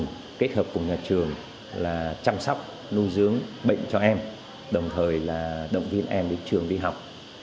chúng tôi kết hợp cùng nhà trường là chăm sóc nuôi dưỡng bệnh cho em đồng thời là động viên em đến trường đi học